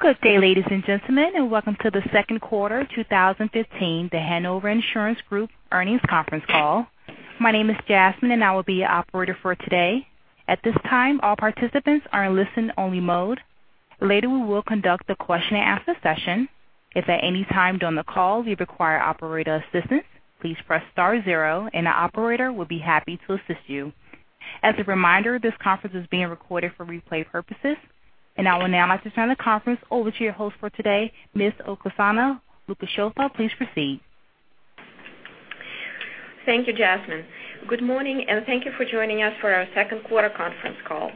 Good day, ladies and gentlemen, and welcome to the second quarter 2015, The Hanover Insurance Group earnings conference call. My name is Jasmine and I will be your operator for today. At this time, all participants are in listen only mode. Later we will conduct the question and answer session. If at any time during the call you require operator assistance, please press star zero and the operator will be happy to assist you. As a reminder, this conference is being recorded for replay purposes. I will now like to turn the conference over to your host for today, Ms. Oksana Lukasheva. Please proceed. Thank you, Jasmine. Good morning, and thank you for joining us for our second quarter conference call.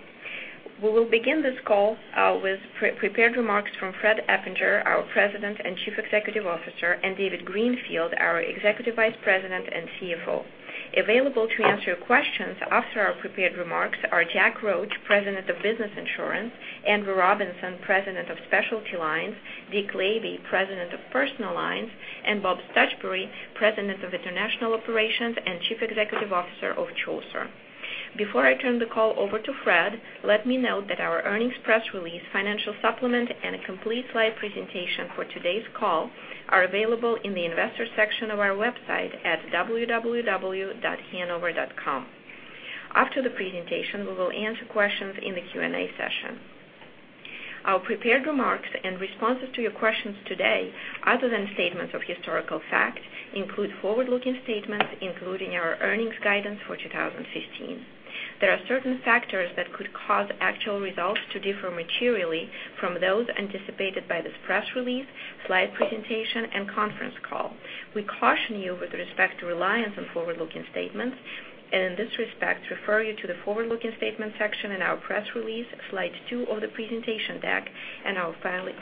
We will begin this call with prepared remarks from Fred Eppinger, our President and Chief Executive Officer, and David Greenfield, our Executive Vice President and CFO. Available to answer your questions after our prepared remarks are Jack Roche, President of Business Insurance, Andrew Robinson, President of Specialty Lines, Dick Lavey, President of Personal Lines, and Bob Stuchbery, President of International Operations and Chief Executive Officer of Chaucer. Before I turn the call over to Fred, let me note that our earnings press release, financial supplement, and a complete slide presentation for today's call are available in the investors section of our website at www.hanover.com. After the presentation, we will answer questions in the Q&A session. Our prepared remarks and responses to your questions today, other than statements of historical fact, include forward-looking statements, including our earnings guidance for 2015. There are certain factors that could cause actual results to differ materially from those anticipated by this press release, slide two of the presentation deck, and our filings with the SEC. We caution you with respect to reliance on forward-looking statements, and in this respect refer you to the forward-looking statements section in our press release, slide two of the presentation deck, and our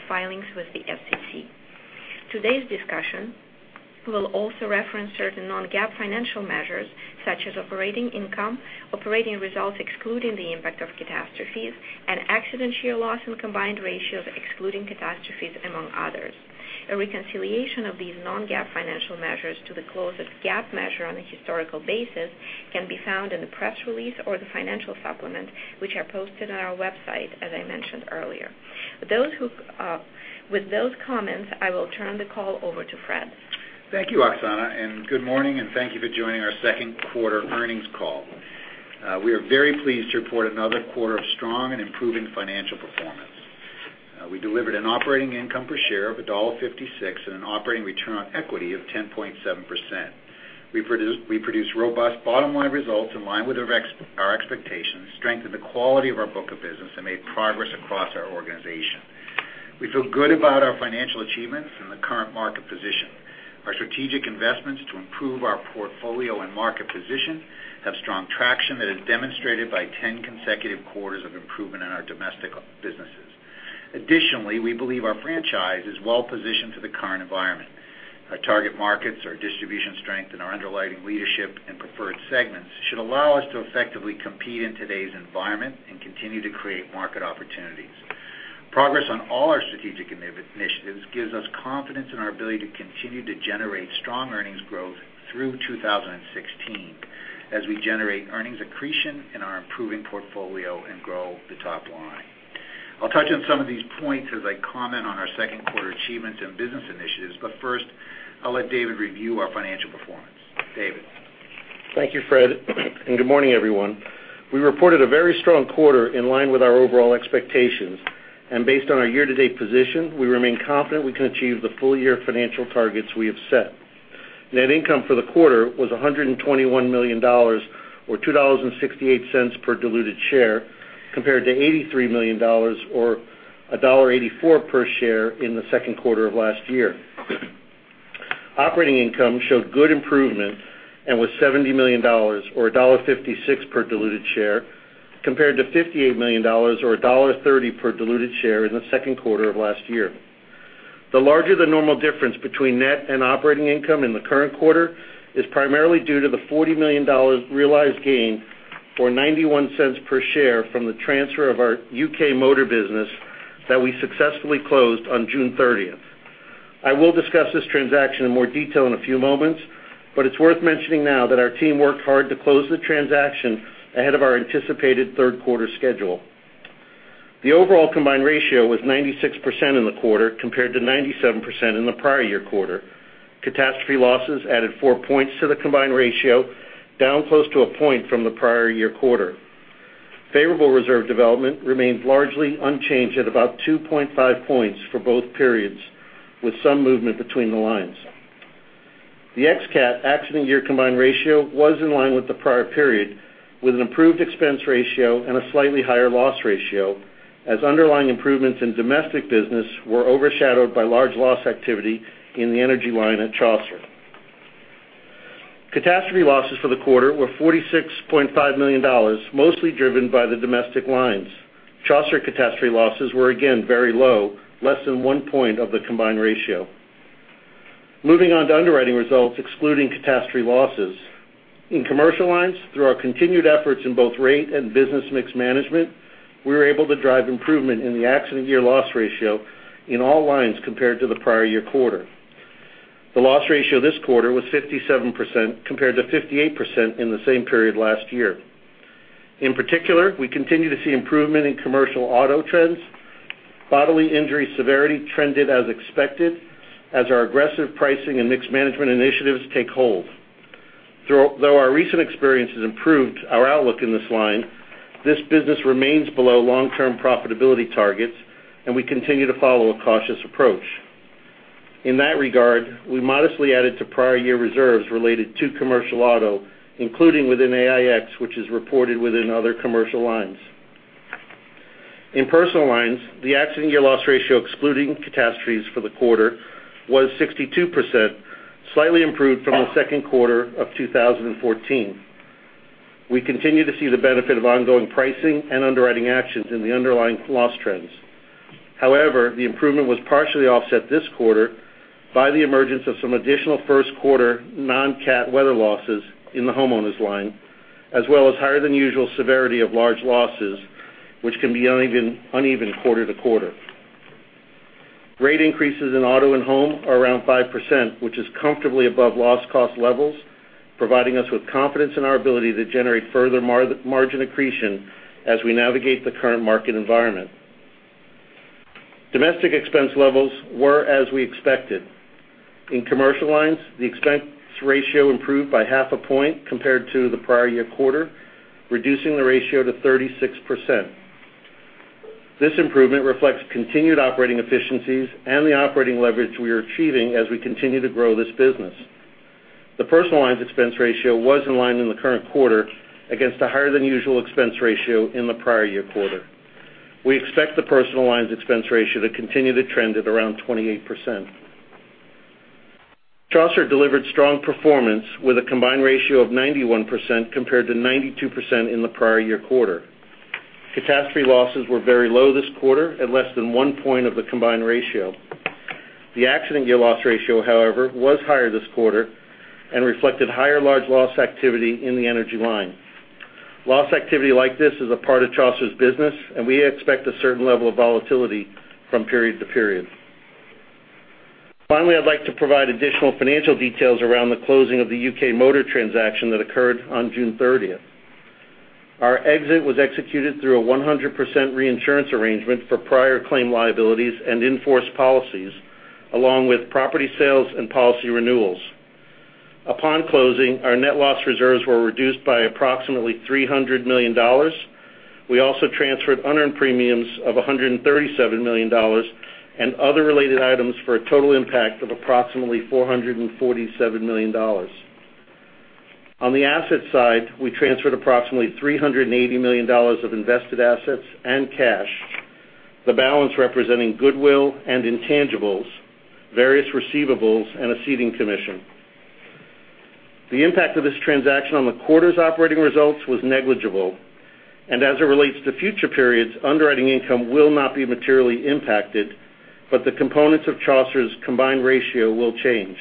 filings with the SEC. Today's discussion will also reference certain non-GAAP financial measures such as operating income, operating results excluding the impact of catastrophes, and accident year loss and combined ratios excluding catastrophes, among others. A reconciliation of these non-GAAP financial measures to the closest GAAP measure on a historical basis can be found in the press release or the financial supplement, which are posted on our website, as I mentioned earlier. With those comments, I will turn the call over to Fred. Thank you, Oksana, and good morning, and thank you for joining our second quarter earnings call. We are very pleased to report another quarter of strong and improving financial performance. We delivered an operating income per share of $1.56 and an operating return of equity of 10.7%. We produced robust bottom-line results in line with our expectations, strengthened the quality of our book of business, and made progress across our organization. We feel good about our financial achievements and the current market position. Our strategic investments to improve our portfolio and market position have strong traction that is demonstrated by 10 consecutive quarters of improvement in our domestic businesses. Additionally, we believe our franchise is well-positioned for the current environment. Our target markets, our distribution strength, and our underlying leadership and preferred segments should allow us to effectively compete in today's environment and continue to create market opportunities. Progress on all our strategic initiatives gives us confidence in our ability to continue to generate strong earnings growth through 2016 as we generate earnings accretion in our improving portfolio and grow the top line. I'll touch on some of these points as I comment on our second quarter achievements and business initiatives, first, I'll let David review our financial performance. David? Thank you, Fred, and good morning, everyone. We reported a very strong quarter in line with our overall expectations. Based on our year-to-date position, we remain confident we can achieve the full-year financial targets we have set. Net income for the quarter was $121 million, or $2.68 per diluted share, compared to $83 million or $1.84 per share in the second quarter of last year. Operating income showed good improvement and was $70 million, or $1.56 per diluted share, compared to $58 million or $1.30 per diluted share in the second quarter of last year. The larger-than-normal difference between net and operating income in the current quarter is primarily due to the $40 million realized gain, or $0.91 per share, from the transfer of our UK motor business that we successfully closed on June 30th. I will discuss this transaction in more detail in a few moments, it's worth mentioning now that our team worked hard to close the transaction ahead of our anticipated third quarter schedule. The overall combined ratio was 96% in the quarter, compared to 97% in the prior year quarter. Catastrophe losses added four points to the combined ratio, down close to a point from the prior year quarter. Favorable reserve development remains largely unchanged at about 2.5 points for both periods, with some movement between the lines. The ex-cat accident year combined ratio was in line with the prior period, with an improved expense ratio and a slightly higher loss ratio, as underlying improvements in domestic business were overshadowed by large loss activity in the energy line at Chaucer. Catastrophe losses for the quarter were $46.5 million, mostly driven by the domestic lines. Chaucer catastrophe losses were again very low, less than one point of the combined ratio. Moving on to underwriting results excluding catastrophe losses. In Commercial Lines, through our continued efforts in both rate and business mix management, we were able to drive improvement in the accident year loss ratio in all lines compared to the prior year quarter. The loss ratio this quarter was 57% compared to 58% in the same period last year. In particular, we continue to see improvement in Commercial Auto trends. Bodily injury severity trended as expected as our aggressive pricing and mix management initiatives take hold. Though our recent experience has improved our outlook in this line, this business remains below long-term profitability targets, and we continue to follow a cautious approach. In that regard, we modestly added to prior year reserves related to Commercial Auto, including within AIX, which is reported within other Commercial Lines. In Personal Lines, the accident year loss ratio, excluding catastrophes for the quarter, was 62%, slightly improved from the second quarter of 2014. The improvement was partially offset this quarter by the emergence of some additional first quarter non-cat weather losses in the homeowners line, as well as higher than usual severity of large losses, which can be uneven quarter-to-quarter. Rate increases in auto and home are around 5%, which is comfortably above loss cost levels, providing us with confidence in our ability to generate further margin accretion as we navigate the current market environment. Domestic expense levels were as we expected. In Commercial Lines, the expense ratio improved by half a point compared to the prior year quarter, reducing the ratio to 36%. This improvement reflects continued operating efficiencies and the operating leverage we are achieving as we continue to grow this business. The Personal Lines expense ratio was in line in the current quarter against a higher than usual expense ratio in the prior year quarter. We expect the Personal Lines expense ratio to continue to trend at around 28%. Chaucer delivered strong performance with a combined ratio of 91% compared to 92% in the prior year quarter. Catastrophe losses were very low this quarter at less than one point of the combined ratio. The accident year loss ratio, however, was higher this quarter and reflected higher large loss activity in the energy line. Loss activity like this is a part of Chaucer's business. We expect a certain level of volatility from period to period. Finally, I'd like to provide additional financial details around the closing of the U.K. motor transaction that occurred on June 30th. Our exit was executed through a 100% reinsurance arrangement for prior claim liabilities and in-force policies, along with property sales and policy renewals. Upon closing, our net loss reserves were reduced by approximately $300 million. We also transferred unearned premiums of $137 million and other related items for a total impact of approximately $447 million. On the asset side, we transferred approximately $380 million of invested assets and cash, the balance representing goodwill and intangibles, various receivables, and a ceding commission. The impact of this transaction on the quarter's operating results was negligible, and as it relates to future periods, underwriting income will not be materially impacted, but the components of Chaucer's combined ratio will change.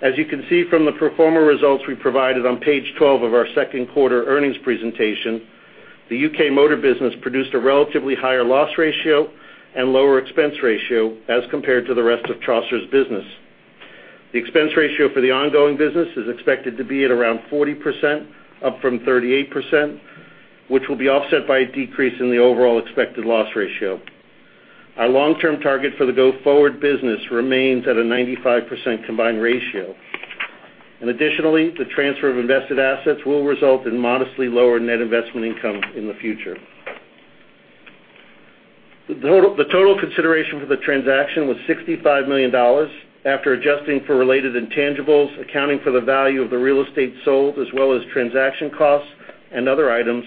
As you can see from the pro forma results we provided on page 12 of our second quarter earnings presentation, the UK motor business produced a relatively higher loss ratio and lower expense ratio as compared to the rest of Chaucer's business. The expense ratio for the ongoing business is expected to be at around 40%, up from 38%, which will be offset by a decrease in the overall expected loss ratio. Our long-term target for the go-forward business remains at a 95% combined ratio. Additionally, the transfer of invested assets will result in modestly lower net investment income in the future. The total consideration for the transaction was $65 million. After adjusting for related intangibles, accounting for the value of the real estate sold, as well as transaction costs and other items,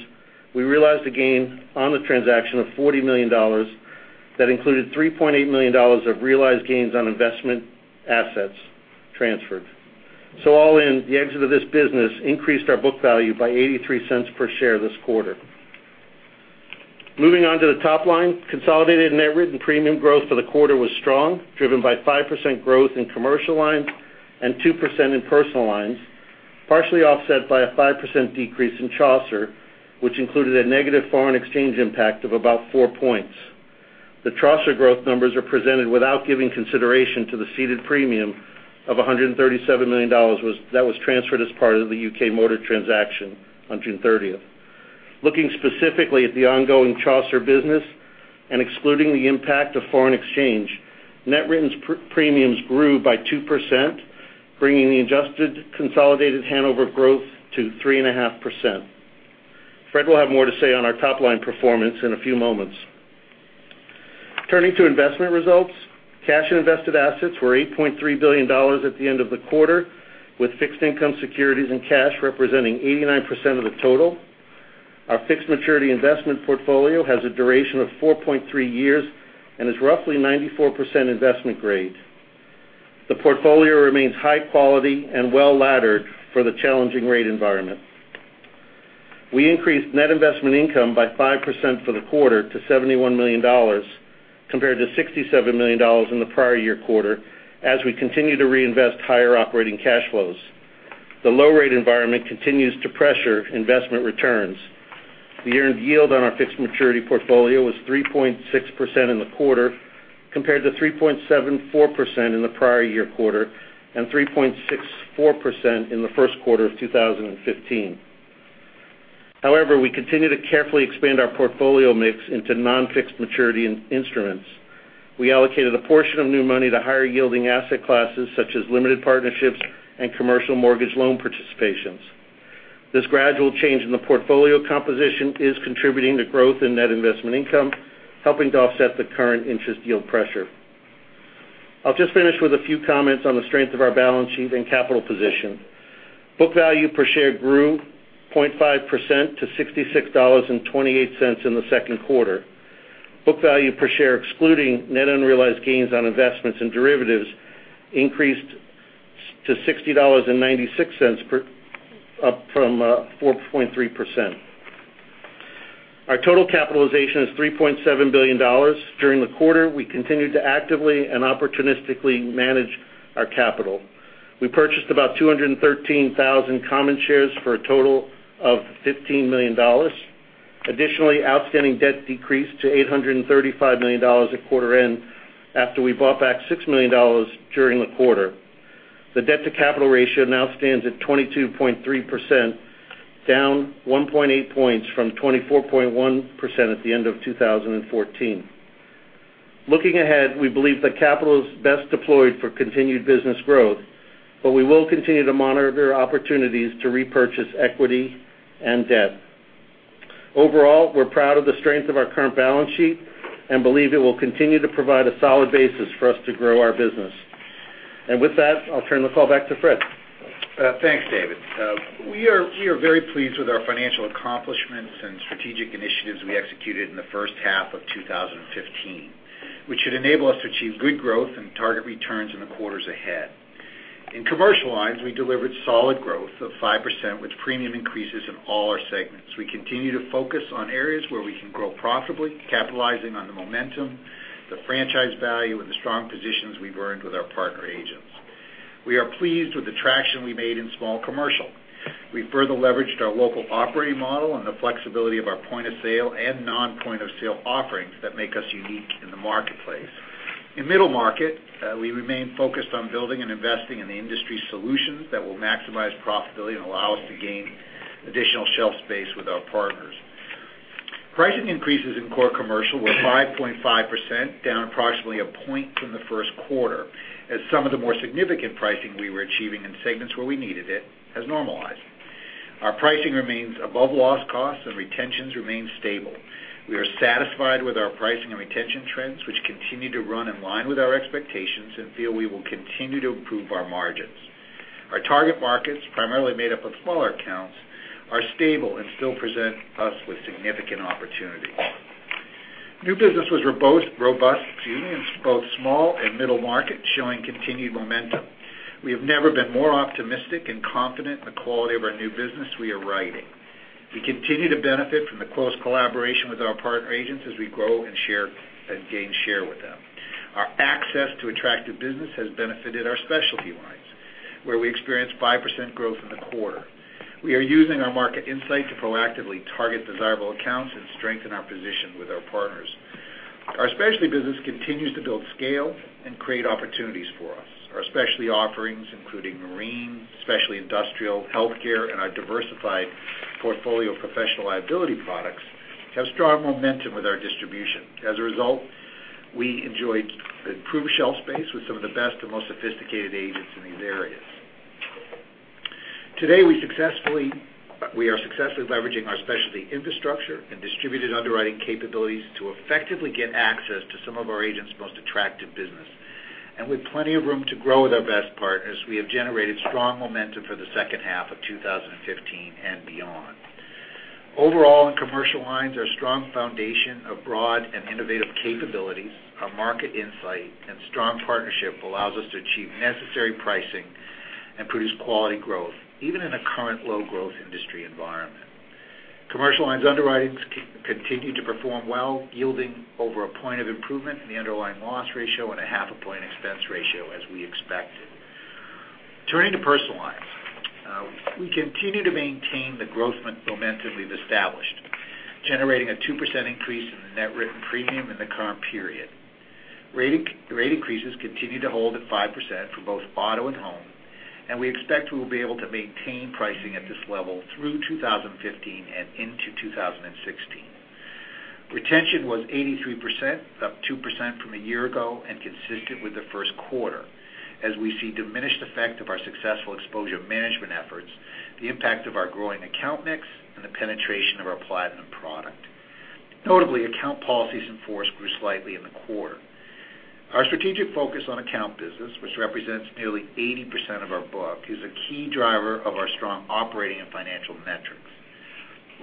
we realized a gain on the transaction of $40 million that included $3.8 million of realized gains on investment assets transferred. All in, the exit of this business increased our book value by $0.83 per share this quarter. Moving on to the top line. Consolidated net written premium growth for the quarter was strong, driven by 5% growth in Commercial Lines and 2% in Personal Lines, partially offset by a 5% decrease in Chaucer, which included a negative foreign exchange impact of about four points. The Chaucer growth numbers are presented without giving consideration to the ceded premium of $137 million that was transferred as part of the UK motor transaction on June 30th. Looking specifically at the ongoing Chaucer business and excluding the impact of foreign exchange, net written premiums grew by 2%, bringing the adjusted consolidated Hanover growth to 3.5%. Fred will have more to say on our top-line performance in a few moments. Turning to investment results. Cash and invested assets were $8.3 billion at the end of the quarter, with fixed income securities and cash representing 89% of the total. Our fixed maturity investment portfolio has a duration of 4.3 years and is roughly 94% investment grade. The portfolio remains high quality and well-laddered for the challenging rate environment. We increased net investment income by 5% for the quarter to $71 million, compared to $67 million in the prior year quarter, as we continue to reinvest higher operating cash flows. The low rate environment continues to pressure investment returns. The earned yield on our fixed maturity portfolio was 3.6% in the quarter, compared to 3.74% in the prior year quarter, and 3.64% in the first quarter of 2015. However, we continue to carefully expand our portfolio mix into non-fixed maturity instruments. We allocated a portion of new money to higher yielding asset classes, such as limited partnerships and commercial mortgage loan participations. This gradual change in the portfolio composition is contributing to growth in net investment income, helping to offset the current interest yield pressure. I will just finish with a few comments on the strength of our balance sheet and capital position. Book value per share grew 0.5% to $66.28 in the second quarter. Book value per share excluding net unrealized gains on investments and derivatives increased to $60.96, up from 4.3%. Our total capitalization is $3.7 billion. During the quarter, we continued to actively and opportunistically manage our capital. We purchased about 213,000 common shares for a total of $15 million. Additionally, outstanding debt decreased to $835 million at quarter end, after we bought back $6 million during the quarter. The debt to capital ratio now stands at 22.3%, down 1.8 points from 24.1% at the end of 2014. Looking ahead, we believe that capital is best deployed for continued business growth, but we will continue to monitor opportunities to repurchase equity and debt. Overall, we're proud of the strength of our current balance sheet and believe it will continue to provide a solid basis for us to grow our business. With that, I'll turn the call back to Fred. Thanks, David. We are very pleased with our financial accomplishments and strategic initiatives we executed in the first half of 2015, which should enable us to achieve good growth and target returns in the quarters ahead. In commercial lines, we delivered solid growth of 5% with premium increases in all our segments. We continue to focus on areas where we can grow profitably, capitalizing on the momentum, the franchise value, and the strong positions we've earned with our partner agents. We are pleased with the traction we made in Small Commercial. We've further leveraged our local operating model and the flexibility of our point of sale and non-point of sale offerings that make us unique in the marketplace. In Middle Market, we remain focused on building and investing in the industry solutions that will maximize profitability and allow us to gain additional shelf space with our partners. Pricing increases in core commercial were 5.5%, down approximately a point from the first quarter, as some of the more significant pricing we were achieving in segments where we needed it has normalized. Our pricing remains above loss costs and retentions remain stable. We are satisfied with our pricing and retention trends, which continue to run in line with our expectations and feel we will continue to improve our margins. Our target markets, primarily made up of smaller accounts, are stable and still present us with significant opportunities. New business was robust in both Small Commercial and Middle Market, showing continued momentum. We have never been more optimistic and confident in the quality of our new business we are writing. We continue to benefit from the close collaboration with our partner agents as we grow and gain share with them. Our access to attractive business has benefited our Specialty lines, where we experienced 5% growth in the quarter. We are using our market insight to proactively target desirable accounts and strengthen our position with our partners. Our Specialty business continues to build scale and create opportunities for us. Our Specialty offerings, including Marine, Specialty Industrial, Healthcare, and our diversified portfolio of Professional Liability products, have strong momentum with our distribution. As a result, we enjoyed improved shelf space with some of the best and most sophisticated agents in these areas. Today, we are successfully leveraging our Specialty infrastructure and distributed underwriting capabilities to effectively get access to some of our agents' most attractive business. With plenty of room to grow with our best partners, we have generated strong momentum for the second half of 2015 and beyond. Overall, in commercial lines, our strong foundation of broad and innovative capabilities, our market insight, and strong partnership allows us to achieve necessary pricing and produce quality growth, even in a current low growth industry environment. Commercial lines' underwritings continue to perform well, yielding over a point of improvement in the underlying loss ratio and a half a point expense ratio as we expected. Turning to personal lines. We continue to maintain the growth momentum we've established, generating a 2% increase in the net written premium in the current period. Rate increases continue to hold at 5% for both auto and home, and we expect we will be able to maintain pricing at this level through 2015 and into 2016. Retention was 83%, up 2% from a year ago and consistent with the first quarter. We see diminished effect of our successful exposure management efforts, the impact of our growing account mix, and the penetration of our platinum product. Notably, account policies in force grew slightly in the quarter. Our strategic focus on account business, which represents nearly 80% of our book, is a key driver of our strong operating and financial metrics.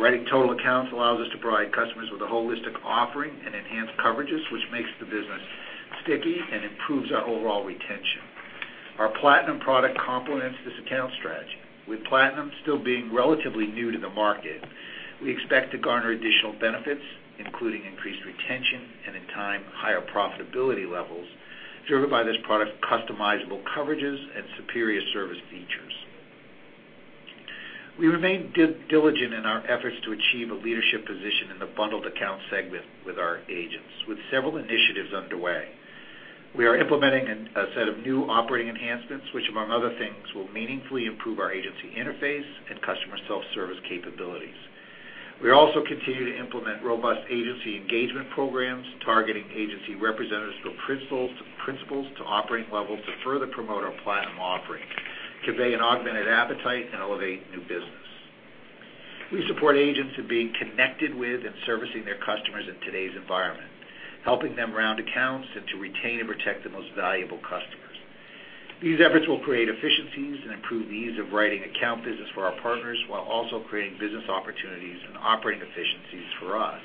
Writing total accounts allows us to provide customers with a holistic offering and enhanced coverages, which makes the business sticky and improves our overall retention. Our platinum product complements this account strategy. With platinum still being relatively new to the market, we expect to garner additional benefits, including increased retention and in time, higher profitability levels driven by this product's customizable coverages and superior service features. We remain diligent in our efforts to achieve a leadership position in the bundled accounts segment with our agents, with several initiatives underway. We are implementing a set of new operating enhancements, which among other things, will meaningfully improve our agency interface and customer self-service capabilities. We also continue to implement robust agency engagement programs targeting agency representatives from principals to operating levels to further promote our Platinum offering, convey an augmented appetite, and elevate new business. We support agents in being connected with and servicing their customers in today's environment, helping them round accounts and to retain and protect the most valuable customers. These efforts will create efficiencies and improve the ease of writing account business for our partners while also creating business opportunities and operating efficiencies for us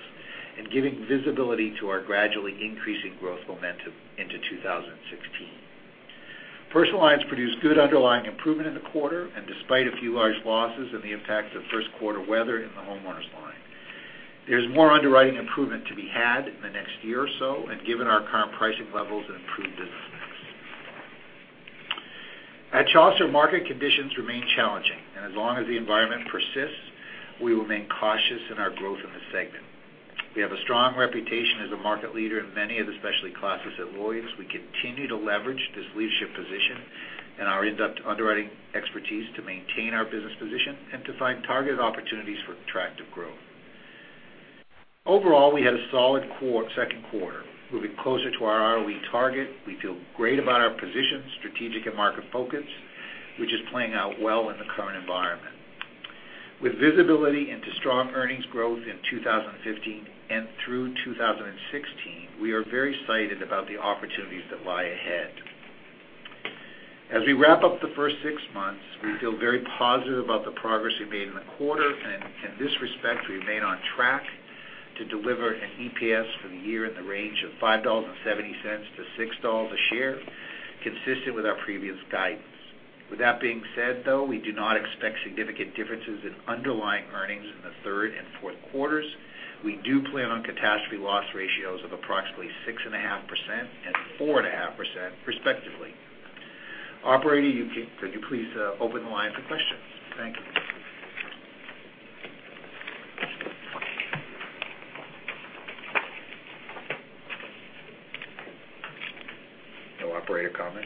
and giving visibility to our gradually increasing growth momentum into 2016. Personal lines produced good underlying improvement in the quarter and despite a few large losses and the impact of first quarter weather in the homeowners line. There's more underwriting improvement to be had in the next year or so and given our current pricing levels and improved business mix. At Chaucer, market conditions remain challenging, and as long as the environment persists, we will remain cautious in our growth in the segment. We have a strong reputation as a market leader in many of the specialty classes at Lloyd's. We continue to leverage this leadership position and our in-depth underwriting expertise to maintain our business position and to find targeted opportunities for attractive growth. Overall, we had a solid second quarter, moving closer to our ROE target. We feel great about our position, strategic and market focus, which is playing out well in the current environment. With visibility into strong earnings growth in 2015 and through 2016, we are very excited about the opportunities that lie ahead. As we wrap up the first six months, we feel very positive about the progress we made in the quarter. In this respect, we remain on track to deliver an EPS for the year in the range of $5.70-$6 a share, consistent with our previous guidance. With that being said, though, we do not expect significant differences in underlying earnings in the third and fourth quarters. We do plan on catastrophe loss ratios of approximately 6.5% and 4.5% respectively. Operator, could you please open the line for questions? Thank you. No operator comment?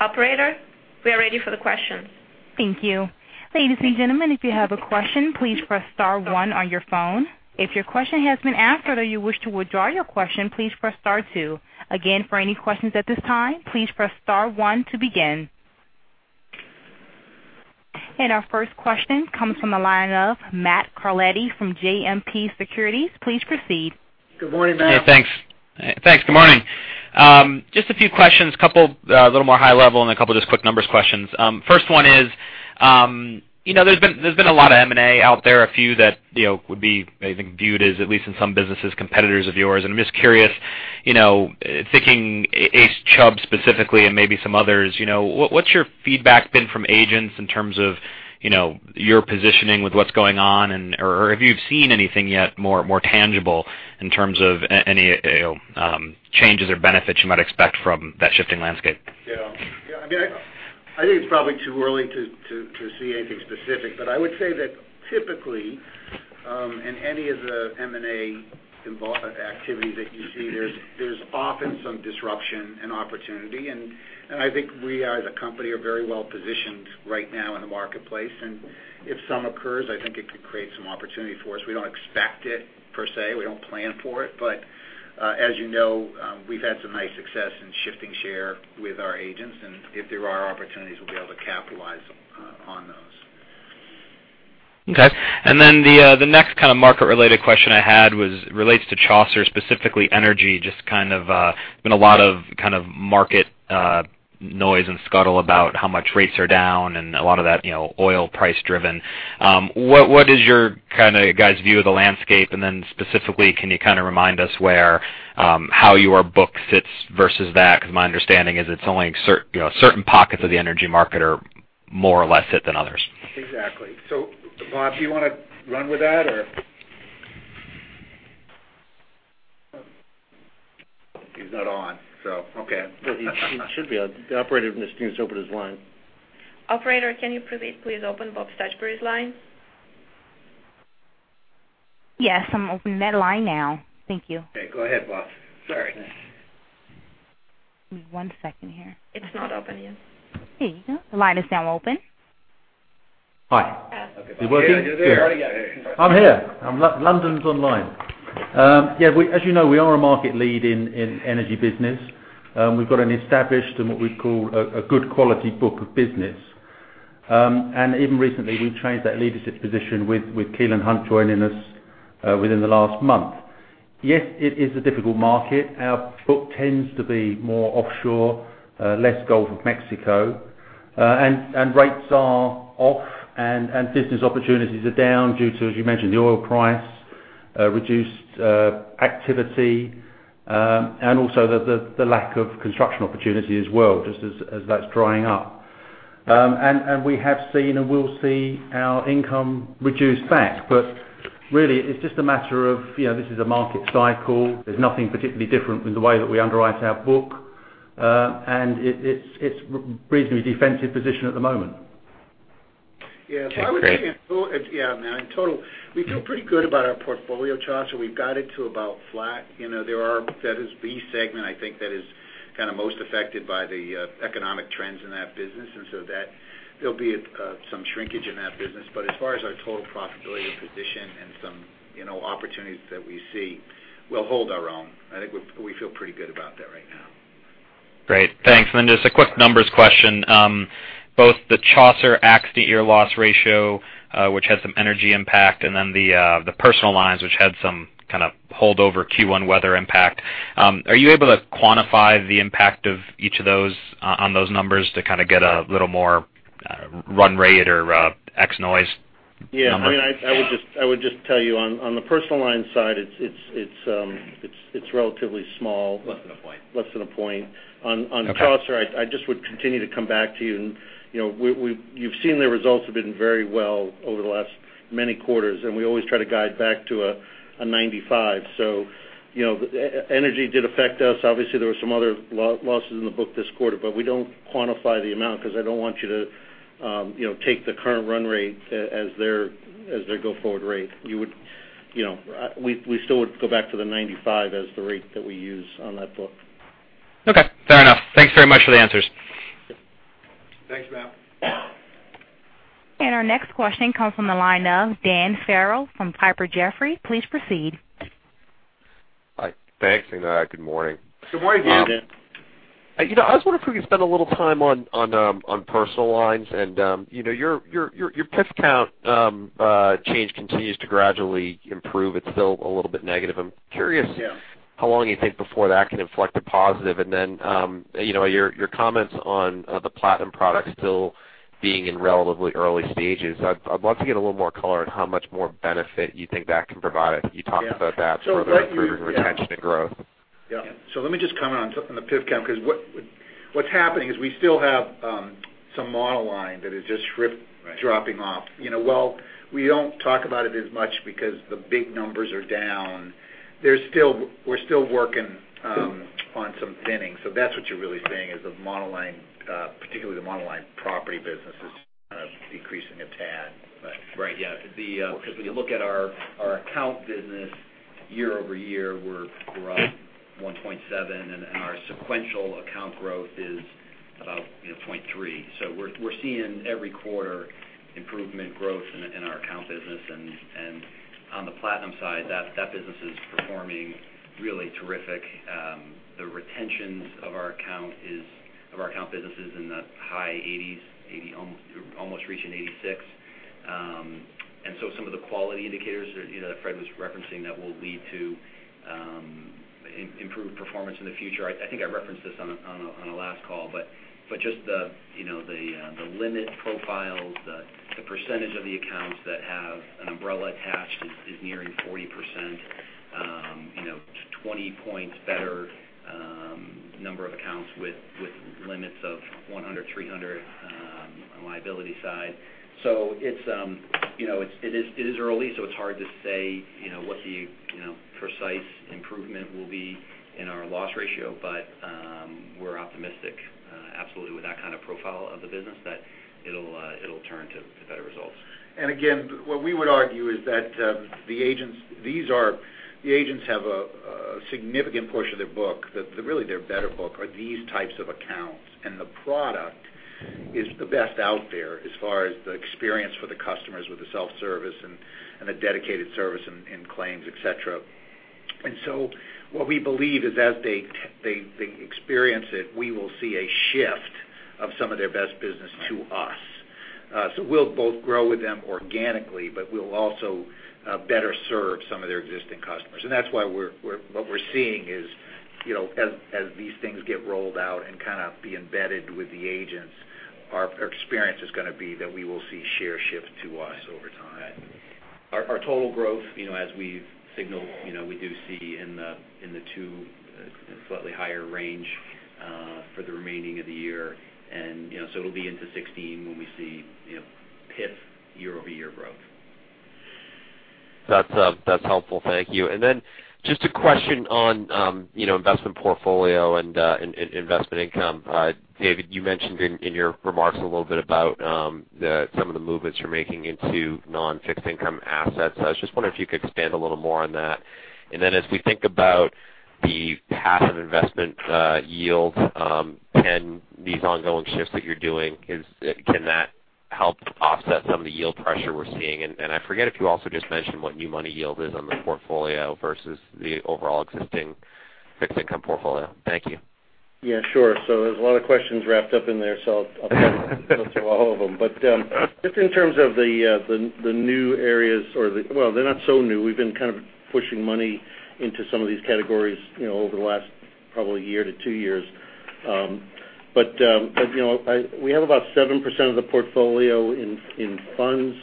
Operator, we are ready for the questions. Thank you. Ladies and gentlemen, if you have a question, please press star one on your phone. If your question has been answered or you wish to withdraw your question, please press star two. Again, for any questions at this time, please press star one to begin. Our first question comes from the line of Matthew Carletti from JMP Securities. Please proceed. Good morning, Matt. Yeah, thanks. Good morning. Just a few questions. A little more high level and a couple of just quick numbers questions. First one is, there's been a lot of M&A out there, a few that would be maybe viewed as, at least in some businesses, competitors of yours. I'm just curious, thinking ACE Chubb specifically and maybe some others, what's your feedback been from agents in terms of your positioning with what's going on? Have you seen anything yet more tangible in terms of any changes or benefits you might expect from that shifting landscape? Yeah. I think it's probably too early to see anything specific. I would say that typically, in any of the M&A activities that you see, there's often some disruption and opportunity. I think we as a company are very well positioned right now in the marketplace. If some occurs, I think it could create some opportunity for us. We don't expect it per se. We don't plan for it. As you know, we've had some nice success in shifting share with our agents. If there are opportunities, we'll be able to capitalize on those. Okay. The next kind of market related question I had relates to Chaucer, specifically energy. Just kind of been a lot of market noise and scuttle about how much rates are down and a lot of that oil price driven. What is your guys view of the landscape? Specifically, can you kind of remind me how your book sits versus that? My understanding is it's only certain pockets of the energy market are more or less hit than others. Exactly. Bob, do you want to run with that? He's not on. Okay. He should be on. The operator just needs to open his line. Operator, can you please open Robert Stuchbery's line? Yes, I'm opening that line now. Thank you. Okay, go ahead, Bob. Sorry. Give me one second here. It's not open yet. There you go. The line is now open. Hi. Is it working? There we go. I'm here. London's online. As you know, we are a market lead in Energy business. We've got an established and what we'd call a good quality book of business. Even recently, we've changed that leadership position with Kelan Hunt joining us within the last month. Yes, it is a difficult market. Our book tends to be more offshore, less Gulf of Mexico. Rates are off, business opportunities are down due to, as you mentioned, the oil price, reduced activity, also the lack of construction opportunity as well, just as that's drying up. We have seen and will see our income reduce back, but really it's just a matter of this is a market cycle. There's nothing particularly different with the way that we underwrite our book. It's reasonably defensive position at the moment. Yeah. I would say in total, we feel pretty good about our portfolio charts. We've got it to about flat. That is B segment, I think that is most affected by the economic trends in that business. There'll be some shrinkage in that business. As far as our total profitability and position and some opportunities that we see, we'll hold our own. I think we feel pretty good about that right now. Great. Thanks. Just a quick numbers question. Both the Chaucer accident year loss ratio, which had some energy impact, then the Personal Lines, which had some kind of holdover Q1 weather impact. Are you able to quantify the impact of each of those on those numbers to get a little more run rate or X noise? Yeah. I would just tell you on the Personal Lines side, it's relatively small. Less than a point. Less than a point. Okay. On Chaucer, I just would continue to come back to you. You've seen the results have been very well over the last many quarters, and we always try to guide back to a 95. Energy did affect us. Obviously, there were some other losses in the book this quarter, but we don't quantify the amount because I don't want you to take the current run rate as their go-forward rate. We still would go back to the 95 as the rate that we use on that book. Okay. Fair enough. Thanks very much for the answers. Thanks, Matt. Our next question comes from the line of Dan Farrell from Piper Jaffray. Please proceed. Hi, thanks. Good morning. Good morning, Dan. Good morning. I was wondering if we could spend a little time on Personal Lines. Your PIF count change continues to gradually improve. It's still a little bit negative. Yeah how long you think before that can inflect a positive, and then your comments on the Platinum product still being in relatively early stages. I'd love to get a little more color on how much more benefit you think that can provide. You talked about that sort of improving retention and growth. Yeah. Let me just comment on the PIF count, because what's happening is we still have some monoline that is just dropping off. While we don't talk about it as much because the big numbers are down, we're still working on some thinning. That's what you're really seeing is the monoline, particularly the monoline property business is kind of decreasing a tad. Right. Yeah. When you look at our account business year-over-year, we're up 1.7%, and our sequential account growth is about 0.3%. We're seeing every quarter improvement growth in our account business. On the Platinum side, that business is performing really terrific. The retentions of our account business is in the high 80s, almost reaching 86. Some of the quality indicators that Fred was referencing that will lead to improved performance in the future. I think I referenced this on a last call, but just the limit profiles, the percentage of the accounts that have an umbrella attached is nearing 40%, 20 points better number of accounts with limits of 100, 300 on the liability side. It is early, so it's hard to say what the precise improvement will be in our loss ratio. We're optimistic, absolutely with that kind of profile of the business, that it'll turn to better results. What we would argue is that the agents have a significant portion of their book, really their better book are these types of accounts. The product is the best out there as far as the experience for the customers with the self-service and the dedicated service in claims, et cetera. What we believe is as they experience it, we will see a shift of some of their best business to us. We'll both grow with them organically, but we'll also better serve some of their existing customers. That's why what we're seeing is as these things get rolled out and kind of be embedded with the agents, our experience is going to be that we will see share shift to us over time. Our total growth, as we've signaled, we do see in the two, slightly higher range for the remaining of the year. It'll be into 16 when we see PIF year-over-year growth. That's helpful. Thank you. Then just a question on investment portfolio and investment income. David, you mentioned in your remarks a little bit about some of the movements you're making into non-fixed income assets. I just wonder if you could expand a little more on that. Then as we think about the path of investment yields and these ongoing shifts that you're doing, can that help offset some of the yield pressure we're seeing? I forget if you also just mentioned what new money yield is on the portfolio versus the overall existing fixed income portfolio. Thank you. Yeah, sure. There's a lot of questions wrapped up in there, I'll go through all of them. Just in terms of the new areas or the, well, they're not so new. We've been kind of pushing money into some of these categories over the last probably one to two years. We have about 7% of the portfolio in funds,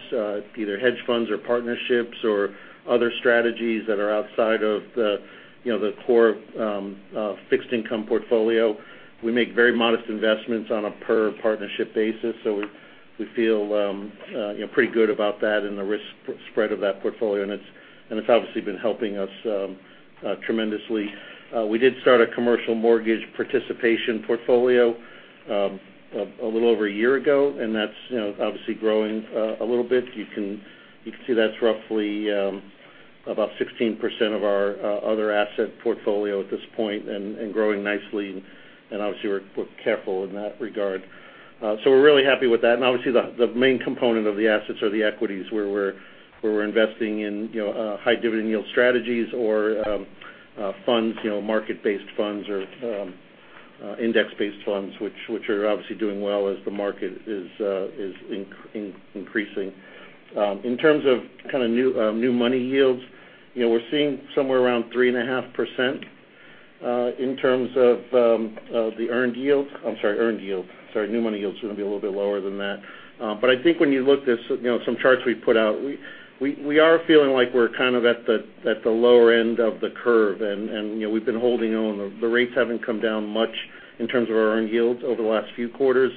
either hedge funds or partnerships or other strategies that are outside of the core fixed income portfolio. We make very modest investments on a per partnership basis. We feel pretty good about that and the risk spread of that portfolio, and it's obviously been helping us tremendously. We did start a commercial mortgage participation portfolio a little over one year ago, that's obviously growing a little bit. You can see that's roughly About 16% of our other asset portfolio at this point, and growing nicely. Obviously, we're careful in that regard. We're really happy with that. Obviously, the main component of the assets are the equities where we're investing in high dividend yield strategies or market-based funds or index-based funds, which are obviously doing well as the market is increasing. In terms of new money yields, we're seeing somewhere around 3.5% in terms of the earned yields. I'm sorry, earned yield. Sorry, new money yields are going to be a little bit lower than that. I think when you look at some charts we've put out, we are feeling like we're at the lower end of the curve, and we've been holding on. The rates haven't come down much in terms of our earned yields over the last few quarters.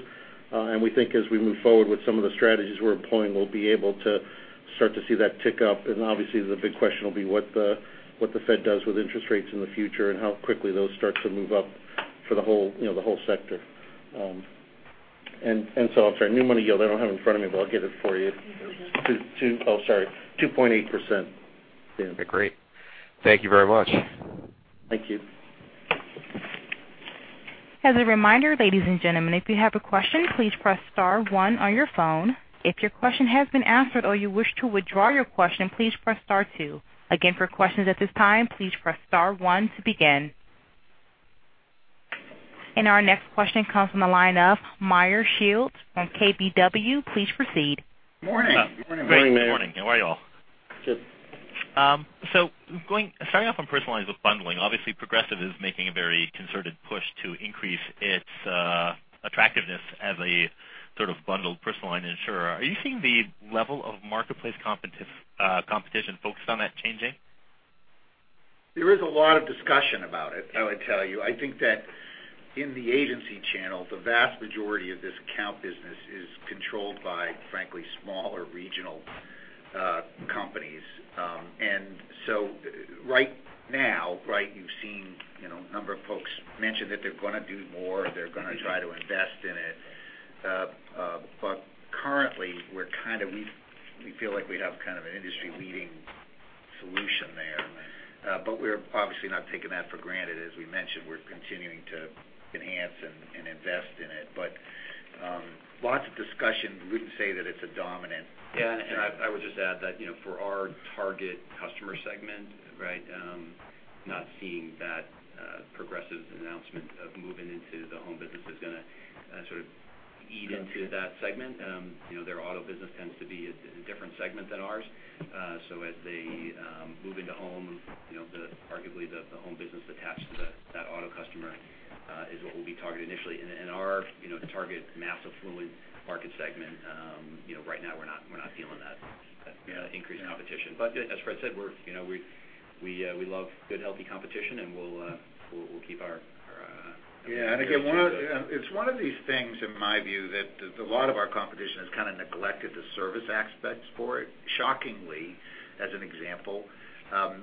We think as we move forward with some of the strategies we're employing, we'll be able to start to see that tick up. Obviously, the big question will be what the Fed does with interest rates in the future and how quickly those start to move up for the whole sector. I'm sorry, new money yield, I don't have it in front of me, but I'll get it for you. Oh, sorry, 2.8%. Yeah. Okay, great. Thank you very much. Thank you. As a reminder, ladies and gentlemen, if you have a question, please press star one on your phone. If your question has been answered or you wish to withdraw your question, please press star two. Again, for questions at this time, please press star one to begin. Our next question comes from the line of Meyer Shields from KBW. Please proceed. Morning. Morning, Meyer. Great. Morning. How are you all? Good. Starting off on personalized bundling, obviously Progressive is making a very concerted push to increase its attractiveness as a sort of bundled personalized insurer. Are you seeing the level of marketplace competition focused on that changing? There is a lot of discussion about it, I would tell you. I think that in the agency channel, the vast majority of this account business is controlled by, frankly, smaller regional companies. Right now, you've seen a number of folks mention that they're going to do more, they're going to try to invest in it. Currently, we feel like we have kind of an industry-leading solution there. We're obviously not taking that for granted. As we mentioned, we're continuing to enhance and invest in it. Lots of discussion. Wouldn't say that it's a dominant- Yeah. I would just add that for our target customer segment, not seeing that Progressive's announcement of moving into the home business is going to sort of eat into that segment. Their auto business tends to be a different segment than ours. As they move into home, arguably the home business attached to that auto customer is what we'll be targeting initially. Our target massive fluid market segment, right now we're not feeling that increased competition. As Fred said, we love good, healthy competition, and we'll keep our- Yeah. Again, it's one of these things, in my view, that a lot of our competition has kind of neglected the service aspects for it. Shockingly, as an example,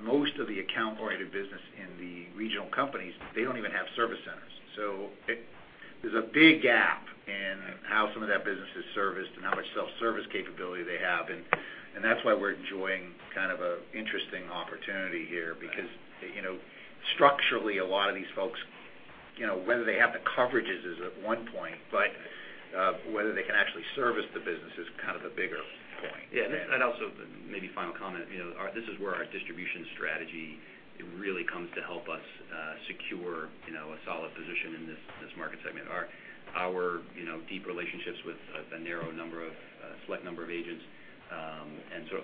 most of the account-oriented business in the regional companies, they don't even have service centers. There's a big gap in how some of that business is serviced and how much self-service capability they have. That's why we're enjoying kind of an interesting opportunity here because structurally, a lot of these folks, whether they have the coverages is at one point, but whether they can actually service the business is kind of a bigger point. Yeah. Also, maybe final comment, this is where our distribution strategy really comes to help us secure a solid position in this market segment. Our deep relationships with a narrow number of select number of agents.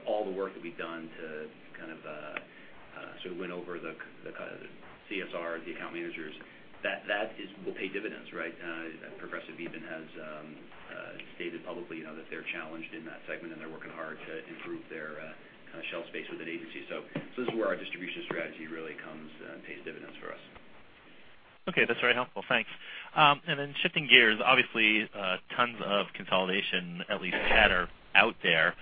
All the work that we've done to sort of win over the CSR, the account managers, that will pay dividends. Progressive even has stated publicly that they're challenged in that segment, and they're working hard to improve their shelf space with an agency. This is where our distribution strategy really comes and pays dividends for us. Okay. That's very helpful. Thanks. Then shifting gears, obviously, tons of consolidation, at least chatter out there.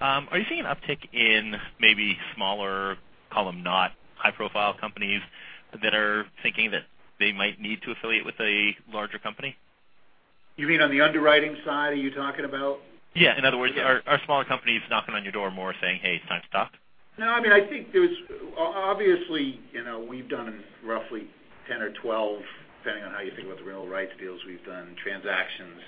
Are you seeing an uptick in maybe smaller, call them not high profile companies that are thinking that they might need to affiliate with a larger company? You mean on the underwriting side, are you talking about? Yeah. In other words, are smaller companies knocking on your door more saying, "Hey, it's time to talk? I think obviously, we've done roughly 10 or 12, depending on how you think about the renewal rights deals we've done, transactions.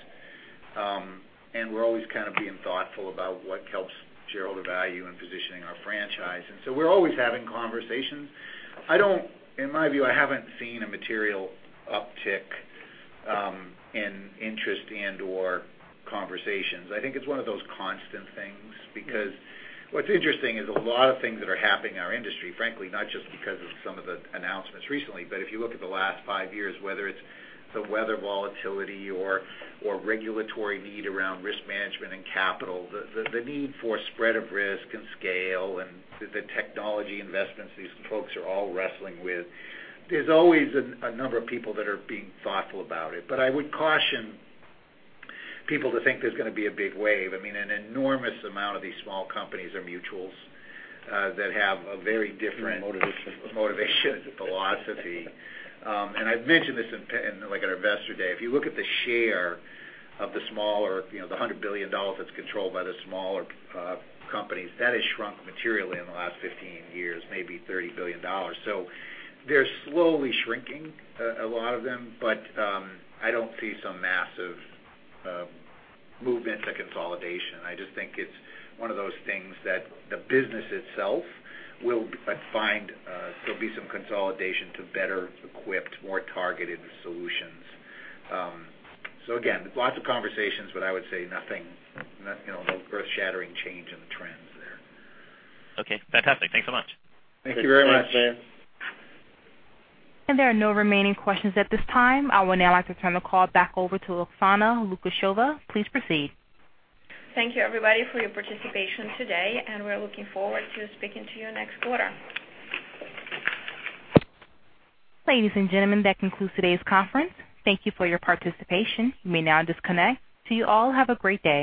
We're always kind of being thoughtful about what helps shareholder value in positioning our franchise. We're always having conversations. In my view, I haven't seen a material uptick in interest and or conversations. I think it's one of those constant things because what's interesting is a lot of things that are happening in our industry, frankly, not just because of some of the announcements recently, but if you look at the last five years, whether it's the weather volatility or regulatory need around risk management and capital, the need for spread of risk and scale and the technology investments these folks are all wrestling with. There's always a number of people that are being thoughtful about it. I would caution people to think there's going to be a big wave. An enormous amount of these small companies are mutuals that have a very different Motivation motivation philosophy. I've mentioned this in like at our investor day, if you look at the share of the smaller, the $100 billion that's controlled by the smaller companies, that has shrunk materially in the last 15 years, maybe $30 billion. They're slowly shrinking, a lot of them, I don't see some massive movement to consolidation. I just think it's one of those things that the business itself will find there'll be some consolidation to better equipped, more targeted solutions. Again, lots of conversations, I would say no earth shattering change in the trends there. Fantastic. Thanks so much. Thank you very much. There are no remaining questions at this time. I would now like to turn the call back over to Oksana Lukasheva. Please proceed. Thank you everybody for your participation today, and we're looking forward to speaking to you next quarter. Ladies and gentlemen, that concludes today's conference. Thank you for your participation. You may now disconnect. You all have a great day